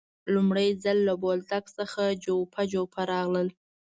لومړی ځل له بولدک څخه جوپه جوپه راغلل.